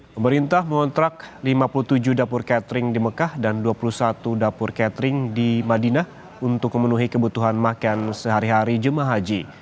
pemerintah mengontrak lima puluh tujuh dapur catering di mekah dan dua puluh satu dapur catering di madinah untuk memenuhi kebutuhan makan sehari hari jemaah haji